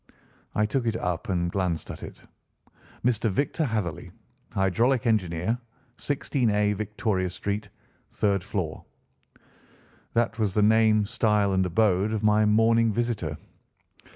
I took it up and glanced at it. "Mr. Victor Hatherley, hydraulic engineer, 16A, Victoria Street (3rd floor)." That was the name, style, and abode of my morning visitor.